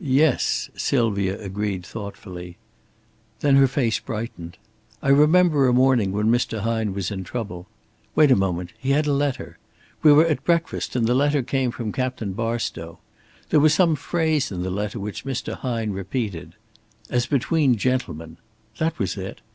"Yes," Sylvia agreed thoughtfully. Then her face brightened. "I remember a morning when Mr. Hine was in trouble. Wait a moment! He had a letter. We were at breakfast and the letter came from Captain Barstow. There was some phrase in the letter which Mr. Hine repeated. 'As between gentlemen' that was it!